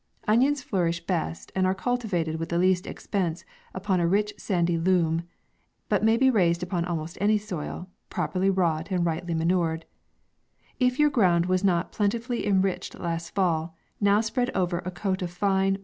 Onions flourish best, and are cultivated the least expense, upon a rich sand but ma v be raised upon a >il, pro perly wrought and rightly manur If yourground was not plentifully enriched \k i fall, now spread over a coat of fine, w.